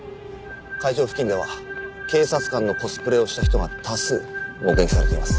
会場付近では警察官のコスプレをした人が多数目撃されています。